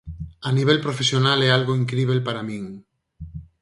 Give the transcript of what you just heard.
A nivel profesional é algo incríbel para min.